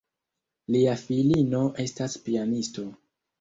Lia filino estas pianisto.